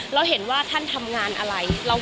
เราเห็นว่าท่านทำงานอะไร